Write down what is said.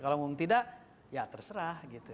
kalau tidak ya terserah gitu